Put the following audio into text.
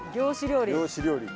漁師料理。